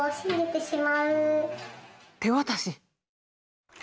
手渡し？